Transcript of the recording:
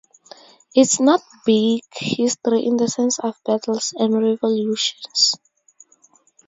It's not "big" history in the sense of battles and revolutions.